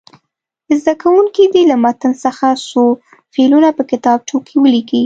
زده کوونکي دې له متن څخه څو فعلونه په کتابچو کې ولیکي.